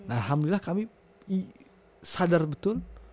alhamdulillah kami sadar betul